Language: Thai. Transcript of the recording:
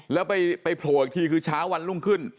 แล้วไปโผล่อีกทีคือเช้าวันรุ่งขึ้น